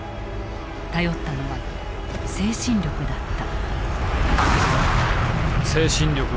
頼ったのは精神力だった。